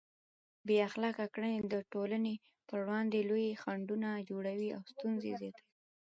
بې اخلاقه کړنې د ټولنې پر وړاندې لوی خنډونه جوړوي او ستونزې زیاتوي.